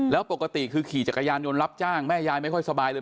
แล้วปกติคือขี่จักรยานยนต์รับจ้างแม่ยายไม่ค่อยสบายเลย